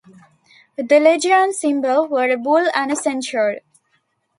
The legion's symbol were a bull and centaur.